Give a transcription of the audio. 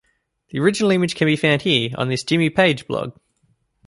The original image can be found here, on this Jimmy Page blog.